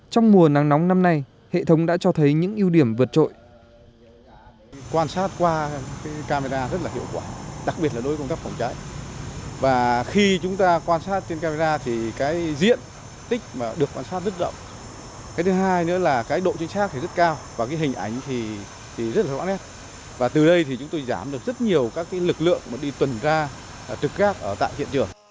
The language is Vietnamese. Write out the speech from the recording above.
trong mùa nắng nóng năm nay hệ thống đã cho thấy những ưu điểm vượt trội